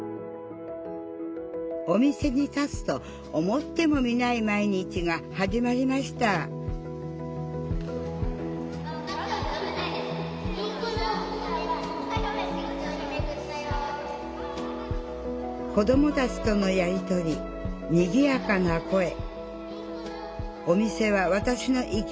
お店に立つと思ってもみない毎日が始まりました子どもたちとのやり取りにぎやかな声。